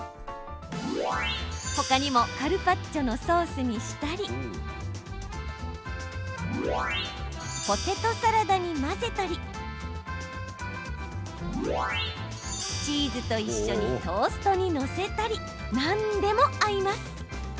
ほかにもカルパッチョのソースにしたりポテトサラダに混ぜたりチーズと一緒にトーストに載せたり何でも合います。